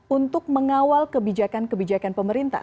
untuk mengawal kebijakan kebijakan pemerintah